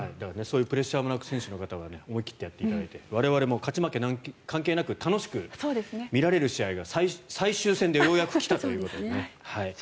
そういうプレッシャーもなく選手たちは思いっ切りやっていただいて我々も勝ち負け関係なく楽しく見られる試合が最終戦でようやく来たということで。